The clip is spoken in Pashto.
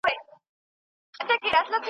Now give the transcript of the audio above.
لښکر راغلی د طالبانو .